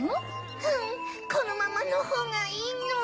うんこのままのほうがいいの。